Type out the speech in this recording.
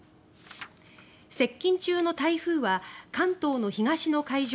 接近中の台風は関東の東の海上